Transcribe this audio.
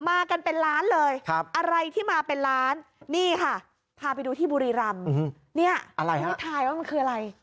มากันเป็นล้านเลยอะไรที่มาเป็นล้านนี่ค่ะพาไปดูที่บุรีรำเนี่ยอะไรฮะที่ทายว่ามันคืออะไร